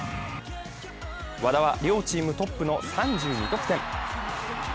和田は両チームトップの３２得点。